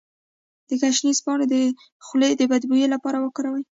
د ګشنیز پاڼې د خولې د بد بوی لپاره وکاروئ